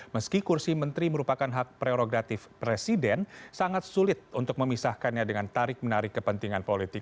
meski kursi menteri merupakan hak prerogatif presiden sangat sulit untuk memisahkannya dengan tarik menarik kepentingan politik